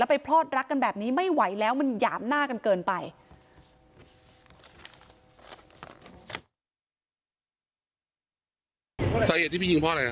ไปพลอดรักกันแบบนี้ไม่ไหวแล้วมันหยามหน้ากันเกินไป